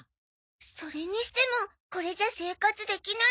それにしてもこれじゃ生活できないんじゃ。